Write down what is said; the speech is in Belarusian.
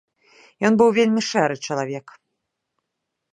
Ён быў вельмі шэры чалавек.